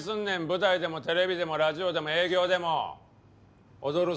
舞台でもテレビでもラジオでも営業でも『踊る！